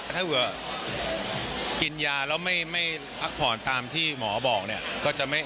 ถ้าเวลากินยาแล้วไม่พักผ่อนตามที่หมอบอก